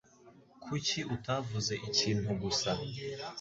Kuki utavuze ikintu gusa